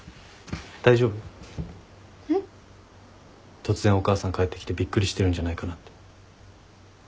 突然お母さん帰ってきてびっくりしてるんじゃないかなって。